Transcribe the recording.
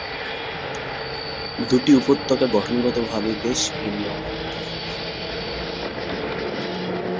দুটি উপত্যকা গঠনগত ভাবে বেশ ভিন্ন।